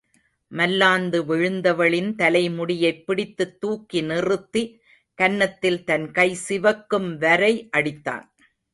மல்லாந்து விழுந்தவளின் தலைமுடியைப் பிடித்துத் தூக்கி நிறுத்தி கன்னத்தில் தன் கை சிவக்கும் வரை அடித்தான்.